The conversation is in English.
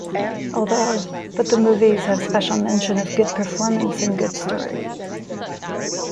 Although, both the movies have special mention of good performance and good story.